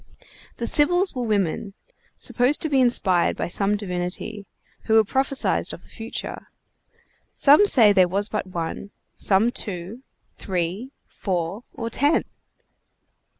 The Sibyls were women, supposed to be inspired by some divinity, who prophesied of the future. Some say there was but one; some two, three, four, or ten.